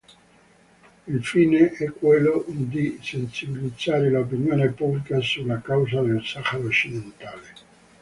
Il fine è quello di sensibilizzare l'opinione pubblica sulla causa del Sahara Occidentale.